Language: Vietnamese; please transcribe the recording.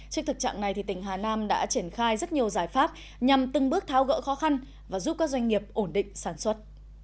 trên thực trạng này tỉnh hà nam đã triển khai rất nhiều giải pháp nhằm từng bước tháo gỡ khó khăn và giúp các doanh nghiệp ổn định sản xuất